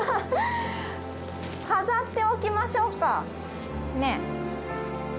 飾っておきましょうか。ねぇ。